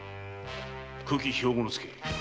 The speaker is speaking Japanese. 九鬼兵庫助